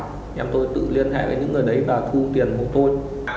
em tôi tự liên hệ với những người đấy và thu tiền của tôi